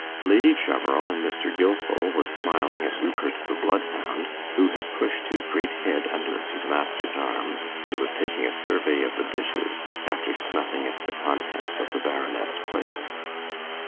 Lady Cheverel and Mr. Gilfil were smiling at Rupert the bloodhound, who had pushed his great head under his master's arm, and was taking a survey of the dishes, after snuffing at the contents of the Baronet's plate.